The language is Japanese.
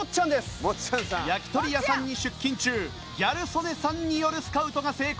焼き鳥屋さんに出勤中ギャル曽根さんによるスカウトが成功。